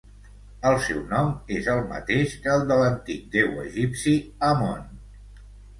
El seu nom és el mateix que el de l'antic déu egipci Amon.